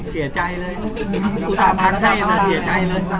เสียใจเลยอุตส่าห์ทำให้นะเสียใจเลย